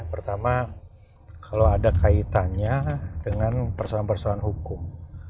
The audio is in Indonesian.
pertama kalau ada kaitannya dengan persoalan persoalan hukum